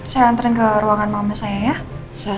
saya antren ke ruangan mama saya ya